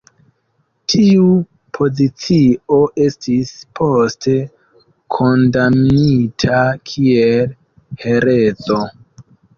Tiu pozicio estis poste kondamnita kiel herezo.